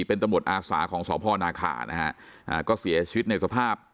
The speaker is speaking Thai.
เป็นตำรวจอาสาของสพนาคานะฮะอ่าก็เสียชีวิตในสภาพ